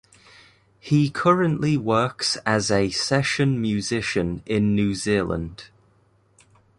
He currently works as a session musician in New Zealand.